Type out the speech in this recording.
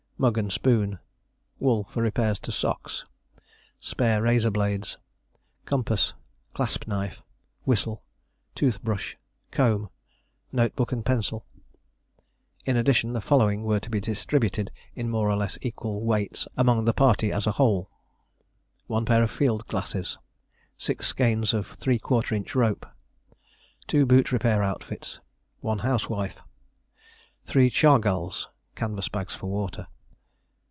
Mug and spoon. Wool for repairs to socks. Spare razor blades. Compass. Clasp knife. Whistle. Tooth brush. Comb. Notebook and pencil. In addition, the following were to be distributed in more or less equal weights among the party as a whole: 1 pair of field glasses. 6 skeins of ¾ inch rope. 2 boot repair outfits. 1 housewife. 3 chargals (canvas bags for water).